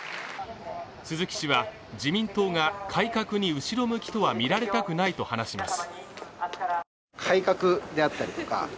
鈴木氏は自民党が改革に後ろ向きとは見られたくないと話します。